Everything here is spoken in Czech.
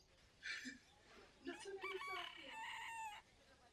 Svou profesionální kariéru zahájil v první polovině čtyřicátých let.